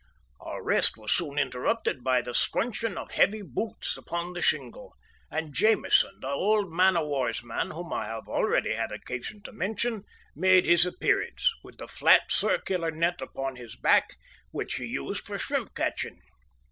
Our rest was soon interrupted by the scrunching of heavy boots upon the shingle, and Jamieson, the old man o' war's man whom I have already had occasion to mention, made his appearance, with the flat, circular net upon his back which he used for shrimp catching.